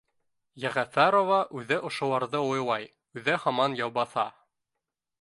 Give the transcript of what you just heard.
Йәғәфәрова үҙе ошоларҙы уйлай, үҙе һаман Яубаҫа